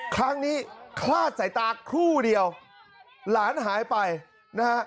ครั้งนี้คลาดสายตาครู่เดียวหลานหายไปนะฮะ